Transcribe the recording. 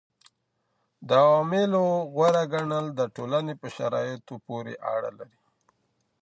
د عواملو غوره ګڼل د ټولني په شرايطو پوري اړه لري.